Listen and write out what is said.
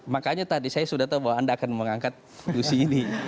makanya tadi saya sudah tahu bahwa anda akan mengangkat fungsi ini